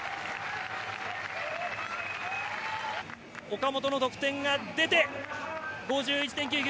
岡本の得点が出て、５１．９９。